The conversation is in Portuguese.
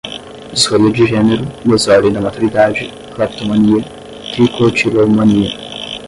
disforia de gênero, desordem da maturidade, cleptomania, tricotilomania